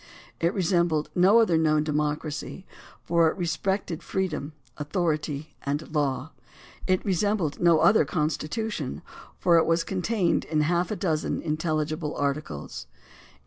It re sembled no other known democracy, for it respected freedom, authority, and law. It resembled no other constitution, for it was contained in half a dozen intelligible articles.